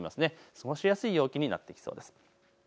過ごしやすい陽気になってきそうです。